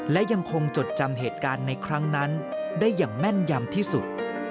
และยังคงจดจำเหตุการณ์ในครั้งนั้นได้อย่างแม่นยำที่สุด